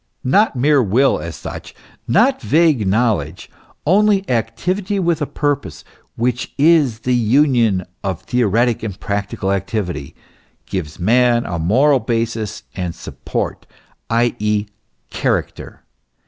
Not mere will as such, not vague knowledge only activity with a purpose, which is the union of theoretic and practical activity, gives man a moral basis and support, i.e., character.